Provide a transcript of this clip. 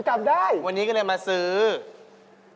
ผมจำได้วันนี้ก็เลยมาซื้อคำถามไป